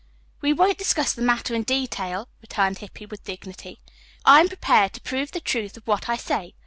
"We won't discuss the matter in detail," returned Hippy with dignity. "I am prepared to prove the truth of what I say.